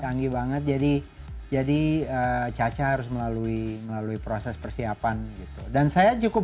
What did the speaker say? canggih banget jadi jadi caca harus melalui melalui proses persiapan gitu dan saya cukup